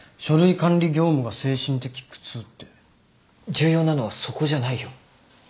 重要なのはそこじゃないよ。